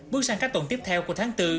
bước sang các tuần tiếp theo của tháng bốn